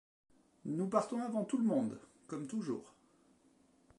Nous partons avant tout le monde, comme toujours.